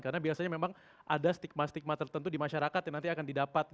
karena biasanya memang ada stigma stigma tertentu di masyarakat yang nanti akan didapat